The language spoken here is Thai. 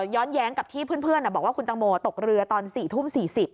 แย้งกับที่เพื่อนบอกว่าคุณตังโมตกเรือตอน๔ทุ่ม๔๐